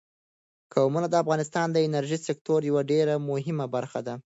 قومونه د افغانستان د انرژۍ سکتور یوه ډېره مهمه برخه ده.